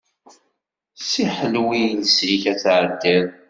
Ssiḥlew iles-ik, ad tɛeddiḍ.